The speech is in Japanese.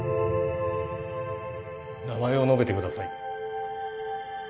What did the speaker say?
名前を述べてください。